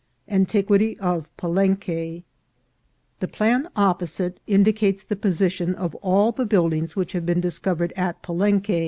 — Antiquity of Palenque. THE plan opposite indicates the position of all the buildings which have been discovered at Palenque.